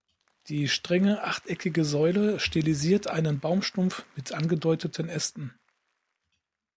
Die strenge achteckige Säule stilisiert einen Baumstumpf mit angedeuteten Ästen.